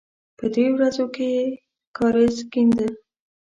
په دریو ورځو کې یې کاریز کېنده.